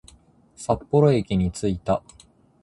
札幌駅に着いた